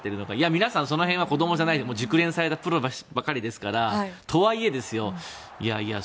皆さん、その辺は子どもじゃない熟練したプロばかりですからとはいえですよ